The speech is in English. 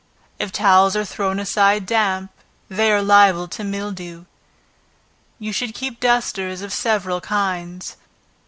If towels are thrown aside damp, they are liable to mildew. You should keep dusters of several kinds.